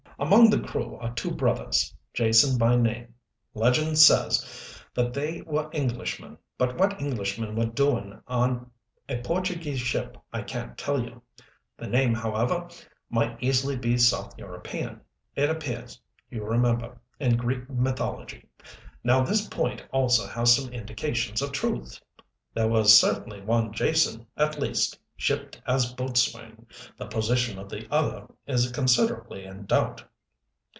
"Among the crew were two brothers, Jason by name. Legend says that they were Englishmen, but what Englishmen were doing on a Portuguese ship I can't tell you. The name, however, might easily be South European it appears, you remember, in Greek mythology. Now this point also has some indications of truth. There was certainly one Jason, at least, shipped as boatswain the position of the other is considerably in doubt.